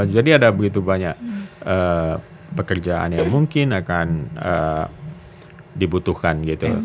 jadi ada begitu banyak pekerjaan yang mungkin akan dibutuhkan gitu